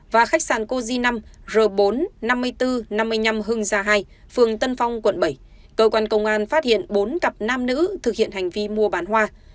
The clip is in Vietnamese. và khách sạn cozy năm r bốn năm mươi bốn năm mươi năm hưng gia hai phường tân phong quận bảy cơ quan công an phát hiện bốn cặp nam nữ thực hiện hành vi mua bán hoa